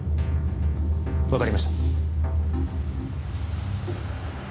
わかりました。